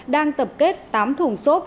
đang tập kết tám thùng xốp